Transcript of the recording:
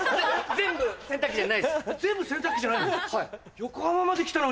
全部洗濯機じゃないの？